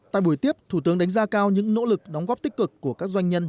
tại buổi tiếp thủ tướng đánh giá cao những nỗ lực đóng góp tích cực của các doanh nhân